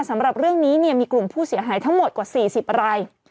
สำหรับเรื่องนี้มีกลุ่มผู้เสียหายทั้งหมดกว่า๔๐ราย